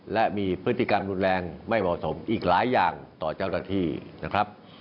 และมีพฤติกรรมรุนแรงไม่เหมาะสมอีกหลายอย่างต่อเจ้าหน้าที่นะครับ